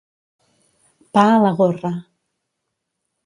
Pa a la gorra.